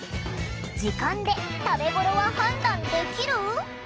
時間で食べごろは判断できる？